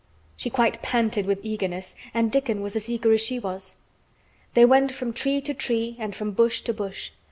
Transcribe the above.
She quite panted with eagerness, and Dickon was as eager as she was. They went from tree to tree and from bush to bush.